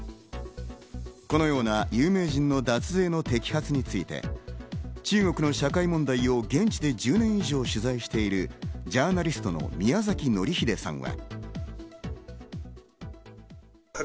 このような有名人の脱税の摘発について中国の社会問題を現地で１０年以上取材しているジャーナリストの宮崎紀秀さんは。